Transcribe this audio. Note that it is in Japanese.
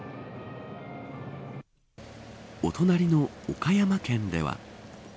お隣の岡山県では。